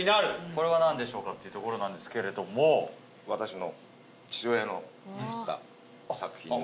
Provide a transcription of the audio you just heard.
これは何でしょうかっていうところなんですけれども。お父様の。